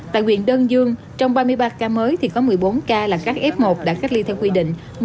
tại quyện đơn dương trong ba mươi ba ca mới thì có một mươi bốn ca là các f một đã cách ly theo quy định